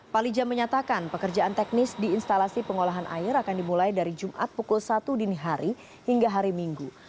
palija menyatakan pekerjaan teknis di instalasi pengolahan air akan dimulai dari jumat pukul satu dini hari hingga hari minggu